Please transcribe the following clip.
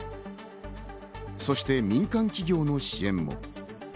そして民間企業の支援も。